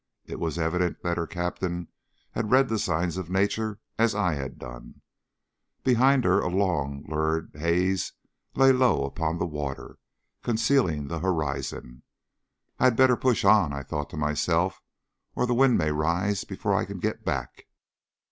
It was evident that her captain had read the signs of nature as I had done. Behind her a long, lurid haze lay low upon the water, concealing the horizon. "I had better push on," I thought to myself, "or the wind may rise before I can get back."